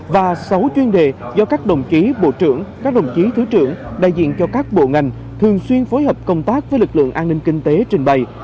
và sáu chuyên đề do các đồng chí bộ trưởng các đồng chí thứ trưởng đại diện cho các bộ ngành thường xuyên phối hợp công tác với lực lượng an ninh kinh tế trình bày